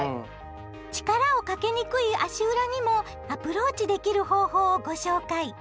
力をかけにくい足裏にもアプローチできる方法をご紹介！